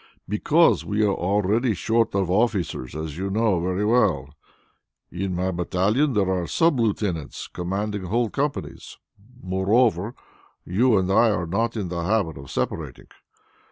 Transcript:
"Because we are already short of officers as you know very well. In my battalion there are sub lieutenants commanding whole companies. Moreover, you and I are not in the habit of separating.